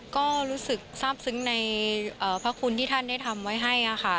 ก็รู้สึกทราบซึ้งในพระคุณที่ท่านได้ทำไว้ให้ค่ะ